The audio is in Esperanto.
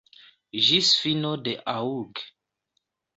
Ĝis fino de aŭg.